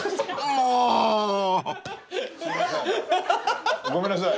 ［もう！］ごめんなさい。